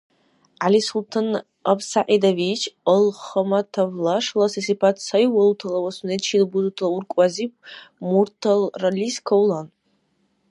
ГӀялимсултӀан АбсягӀидович Алхаматовла шаласи сипат сай валутала ва сунечил бузутала уркӀбазиб мурталралис кавлан.